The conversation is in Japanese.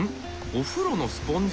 お風呂のスポンジ！？